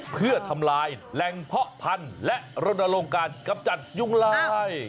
เพื่อทำลายแหล่งเพาะพันธุ์และรณรงค์การกำจัดยุงลาย